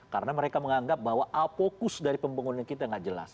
karena mereka menganggap bahwa apokus dari pembangunan kita tidak jelas